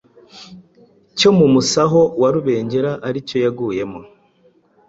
cyo mu Musaho wa Rubengera ari cyo yaguyemo